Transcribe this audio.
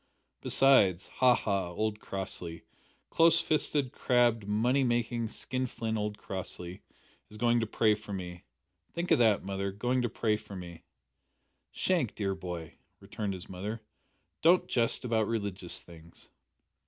Besides ha! ha! old Crossley close fisted, crabbed, money making, skin flint old Crossley is going to pray for me. Think o' that, mother going to pray for me!" "Shank, dear boy," returned his mother, "don't jest about religious things."